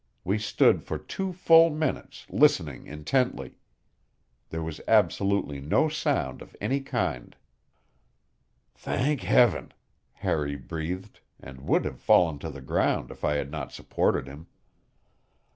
We stood for two full minutes listening intently. There was absolutely no sound of any kind. "Thank Heaven!" Harry breathed, and would have fallen to the ground if I had not supported him.